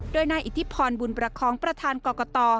โดยนายอิทธิพรบุญประคองประธานกรกต